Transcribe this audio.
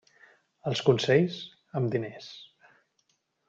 Els consells, amb diners.